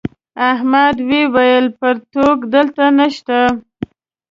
احمد وويل: پرتوگ دلته نشته.